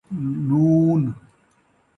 ن